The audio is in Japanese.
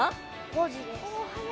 ５時です。